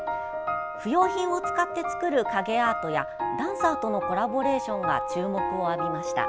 不用品を使って作る影アートやダンサーとのコラボレーションが注目を浴びました。